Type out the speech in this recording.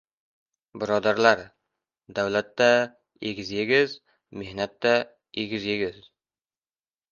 Birodarlar, davlat-da egiz-yegiz, mehnat-da egiz-yegiz!